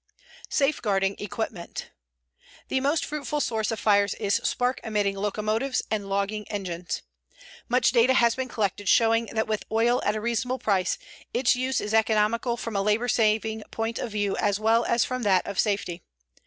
SAFEGUARDING EQUIPMENT The most fruitful source of fires is spark emitting locomotives and logging engines. Much data has been collected showing that with oil at a reasonable price its use is economical from a labor saving point of view as well as from that of safety.